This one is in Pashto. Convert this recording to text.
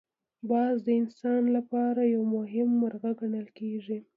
باز د انسان لپاره یو مهم مرغه ګڼل کېږي